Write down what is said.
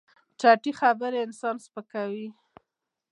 چټي خبرې انسان سپکوي.